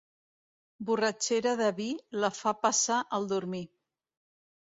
Borratxera de vi, la fa passar el dormir.